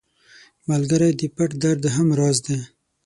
ملګری د پټ درد هم راز دی